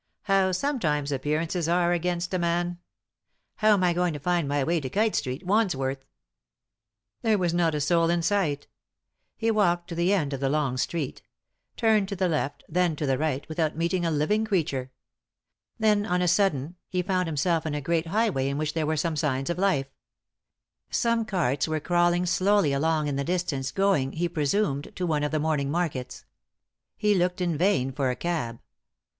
How, sometimes, appearances are against a man. How am I going to find my way to Kite Street, Wandsworth ?" There was not a soul in sight. He walked to the end of the long street; turned to the left, then to the right, without meeting a living creature. Then, on a sudden, he found himself in a great highway in which there were some signs of life. Some carts were 253 ;«y?e.c.V GOOglC THE INTERRUPTED KISS crawling slowly along in the distance, going, he presumed, to one of the morning markets. He looked in vain for a cab.